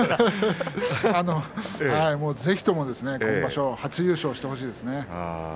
ぜひとも今場所初優勝してほしいですね。